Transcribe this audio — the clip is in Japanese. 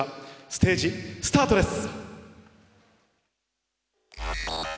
ステージ、スタートです。